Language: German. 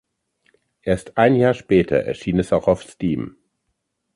Erst ein Jahr später erschien es auch auf Steam.